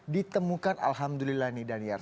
ditemukan alhamdulillah nih daniar